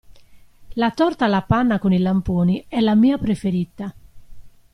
La torta alla panna con i lamponi è la mia preferita.